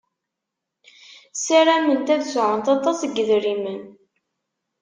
Sarament ad sɛunt aṭas n yedrimen.